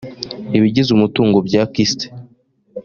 ibigize umutungo bya kist